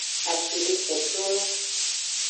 Ashideketolo.